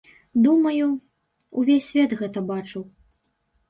Думаю, увесь свет гэта бачыў.